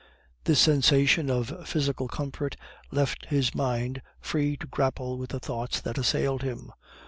This sensation of physical comfort left his mind free to grapple with the thoughts that assailed him.